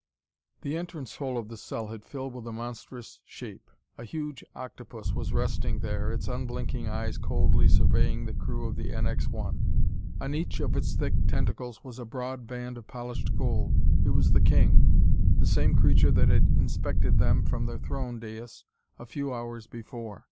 The entrance hole of the cell had filled with a monstrous shape. A huge octopus was resting there, its unblinking eyes coldly surveying the crew of the NX 1. On each of its thick tentacles was a broad band of polished gold. It was the king, the same creature that had inspected them from the throne dais a few hours before.